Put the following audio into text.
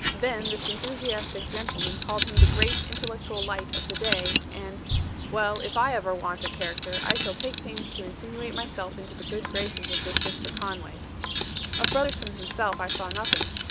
Then this enthusiastic gentleman called him the great intellectual light of the day, and well, if ever I want a character I shall take pains to insinuate myself into the good graces of this Mr. Conway. "Of Brotherson himself I saw nothing.